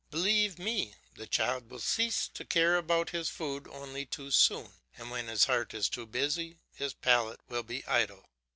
Believe me the child will cease to care about his food only too soon, and when his heart is too busy, his palate will be idle.